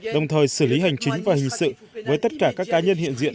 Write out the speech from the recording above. đồng thời xử lý hành chính và hình sự với tất cả các cá nhân hiện diện